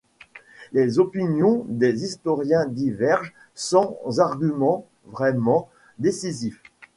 Les opinions des historiens divergent, sans argument vraiment décisif.